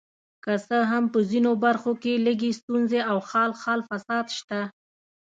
که څه هم په ځینو برخو کې لږې ستونزې او خال خال فساد شته.